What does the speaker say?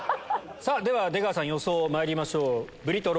では出川さん予想まいりましょう。